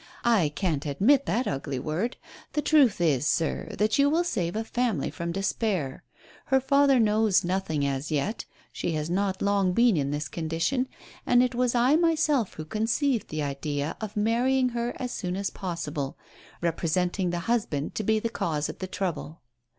"I can't admit that ugly word. The truth is, sir, that you will save a family from despair. Her father knows nothing as yet; she has not long been in this condition, and it was I myself who conceived the idea of marrying her as soon as pos sible, representing the husband to be the cause of the trouble.